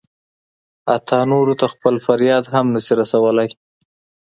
حتی نورو ته خپل فریاد هم نه شي رسولی.